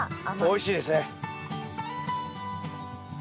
おいしいですね。